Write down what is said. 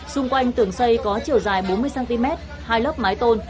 xung quanh tường xây có chiều dài bốn mươi cm hai lớp mái tôn